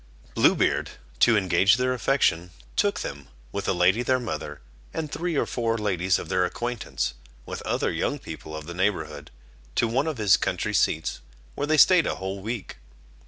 Blue Beard, to engage their affection, took them, with the lady their mother, and three or four ladies of their acquaintance, with other young people of the neighbourhood, to one of his country seats, where they stayed a whole week.